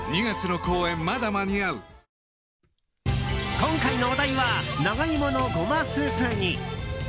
今回のお題は長イモのゴマスープ煮。